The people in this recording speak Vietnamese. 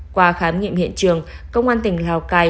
qua khám nghiệm hiện trường công an tỉnh lào cai